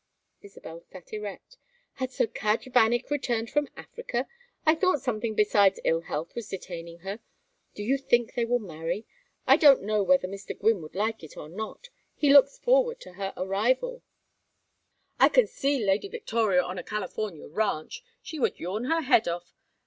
Isabel sat erect. "Has Sir Cadge Vanneck returned from Africa? I thought something besides ill health was detaining her. Do you think they will marry? I don't know whether Mr. Gwynne would like it or not. He looks forward to her arrival " "I can see Lady Victoria on a California ranch! She would yawn her head off.